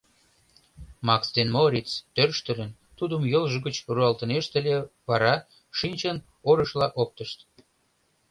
Макс ден Моориц, тӧрштылын, тудым йолжо гыч руалтынешт ыле, вара, шинчын, орышыла оптышт.